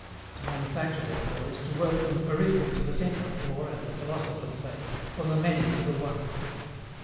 To manufacture, therefore, is to work from the periphery to the centre, or, as the philosophers say, from the many to the one.